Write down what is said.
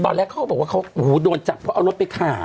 ตอนแรกเขาบอกว่าเขาโอ้โหโดนจับเขาเอารถไปขาย